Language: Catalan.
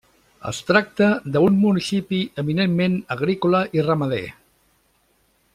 Es tracta d'un municipi eminentment agrícola i ramader.